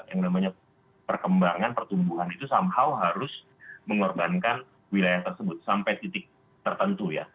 yang namanya perkembangan pertumbuhan itu somehow harus mengorbankan wilayah tersebut sampai titik tertentu ya